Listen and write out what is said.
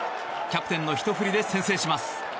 キャプテンの一振りで先制します。